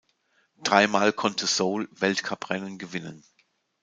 Dreimal konnte Soule Weltcuprennen gewinnen.